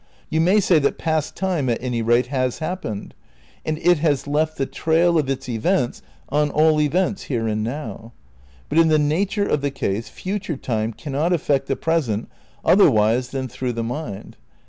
You may say that past time at any rate has happened, and it has left the trail of its events on all events here and now; but in the nature of the case future time cannot affect the present otherwise than through the mind.